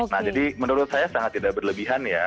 nah jadi menurut saya sangat tidak berlebihan ya